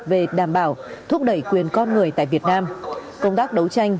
về đảm bảo thúc đẩy quyền con người tại việt nam công tác đấu tranh